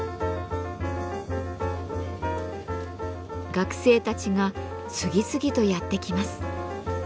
学生たちが次々とやって来ます。